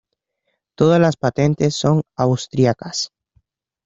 Todas las patentes son austríacas.